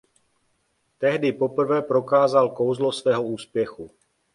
Tehdy poprvé prokázal kouzlo svého úspěchu.